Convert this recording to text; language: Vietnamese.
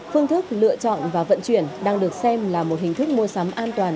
phương thức lựa chọn và vận chuyển đang được xem là một hình thức mua sắm an toàn